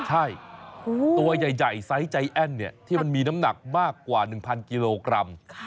ใช่ตัวใหญ่ไซส์ใจแอ้นที่มันมีน้ำหนักมากกว่า๑๐๐กิโลกรัม